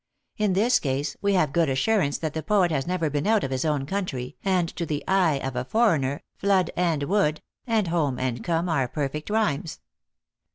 In this case we have good assurance that the poet has never been out of his own country, and to the eye of a foreigner flood and wood and home and come are perfect rhymes.